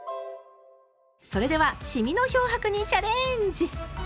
それではシミの漂白にチャレンジ！